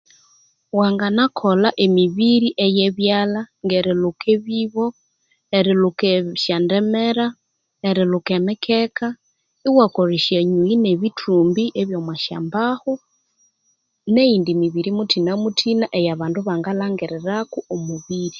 Wanganakolha emibiri eye byalha ngeri lhuka ebibo,